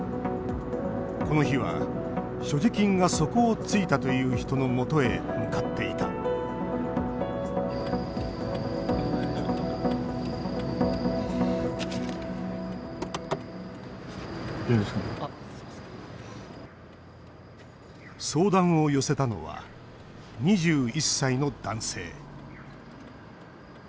この日は、所持金が底をついたという人のもとへ向かっていた相談を寄せたのは２１歳の男性